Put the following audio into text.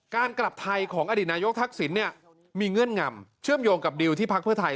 กลับไทยของอดีตนายกทักษิณมีเงื่อนงำเชื่อมโยงกับดิวที่พักเพื่อไทย